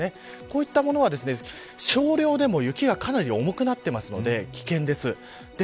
こういったものは少量でも雪がかなり重くなっていますので危険です。